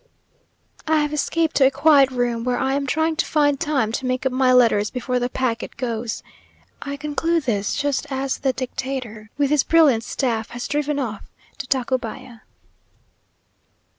I have escaped to a quiet room, where I am trying to find time to make up my letters before the packet goes. I conclude this just as the dictator, with his brilliant staff, has driven off to Tacubaya.